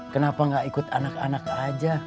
kenapa gak ikut anak anak aja